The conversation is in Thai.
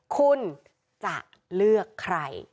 คุณจะเลือกใคร